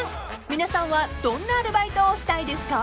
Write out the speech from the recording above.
［皆さんはどんなアルバイトをしたいですか？］